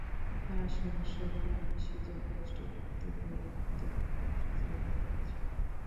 তাঁর সমস্যা, বাংলাদেশি জনশক্তির ঘাটতির কারণে তিনি ব্যবসা চালাতে পারছেন না।